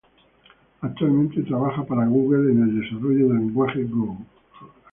Actualmente trabajaba para Google en el desarrollo del lenguaje Go.